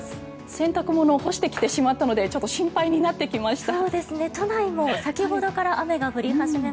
洗濯物を干してきてしまったのでちょっと心配になってきました。